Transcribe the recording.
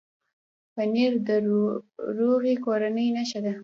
پنېر د روغې کورنۍ نښه ده.